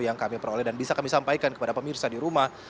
yang kami peroleh dan bisa kami sampaikan kepada pemirsa di rumah